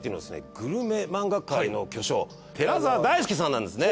グルメ漫画界の巨匠寺沢大介さんなんですね。